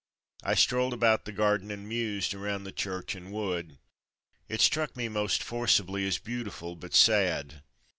I strolled about the garden, and mused around the church and wood. It all struck me most forcibly as beautiful, but sad.